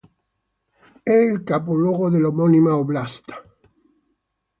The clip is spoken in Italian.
È il capoluogo dell'omonima oblast'.